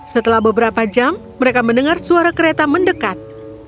setelah beberapa jam mereka mendengar suara kereta mendekat